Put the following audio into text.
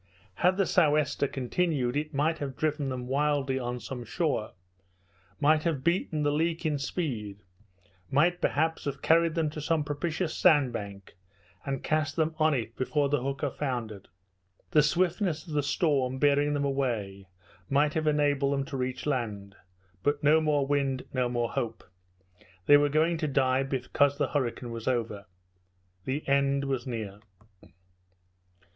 Had the sou' wester continued it might have driven them wildly on some shore might have beaten the leak in speed might, perhaps, have carried them to some propitious sandbank, and cast them on it before the hooker foundered. The swiftness of the storm, bearing them away, might have enabled them to reach land; but no more wind, no more hope. They were going to die because the hurricane was over. The end was near!